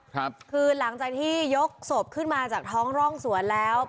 คือหลังจากที่ยกศพขึ้นมาจากท้องร่องสวนแล้ว